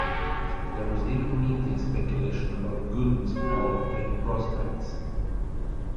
There was even media speculation about Gooden's Hall of Fame prospects.